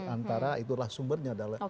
antara itulah sumbernya